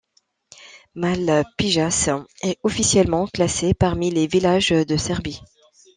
Male Pijace est officiellement classé parmi les villages de Serbie.